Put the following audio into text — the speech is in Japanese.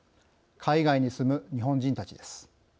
海外に住む日本人たちです。